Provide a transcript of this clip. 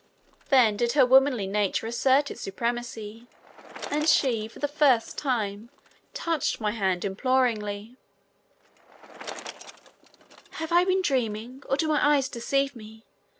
Then did her womanly nature assert its supremacy and she, for the first time, touched my hand imploringly: "Have I been dreaming, or do my eyes deceive me?